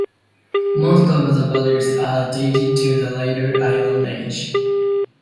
Most of the burials are dated to the later Iron Age.